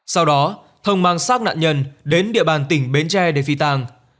sau đó thông mang sát nạn nhân đến địa bàn tỉnh bến tre để phi tang